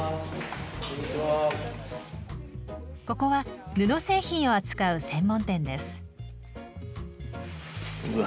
ここは布製品を扱う専門店です。